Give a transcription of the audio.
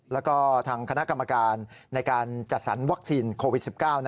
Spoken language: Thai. แล้วก็ทางคณะกรรมการในการจัดสรรวัคซีนโควิด๑๙